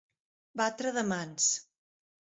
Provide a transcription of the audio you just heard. Batre de mans.